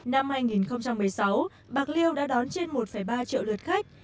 năm hai nghìn một mươi sáu bạc liêu đã đón trên một ba triệu lượt khách